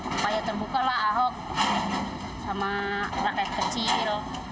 supaya terbuka lah ahok sama rakyat kecil